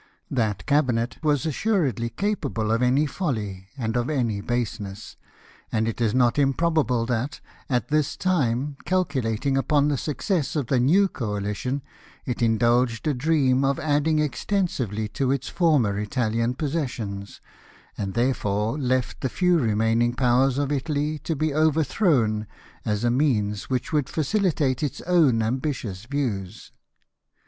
That cabinet was assurerlly capable of any folly and of any baseness : and it is not iu iprob able that, at this time, calculating upon the success of the new coalition, it indulged a dream of adding extensively to its former Italian possessions, and therefore left the few remaining powers of Italy to be overthrown, as a means which would facilitate its OAvn ambitious views.